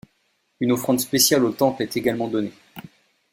Une offrande spéciale au temple est également donnée.